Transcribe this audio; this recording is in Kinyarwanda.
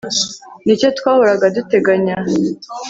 Nicyo twahoraga duteganya